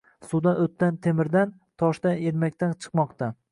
Suvdan oʻtdan temirdan, toshdan ekmaklar chiqmoqda